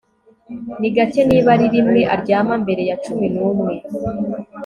Ni gake niba ari rimwe aryama mbere ya cumi numwe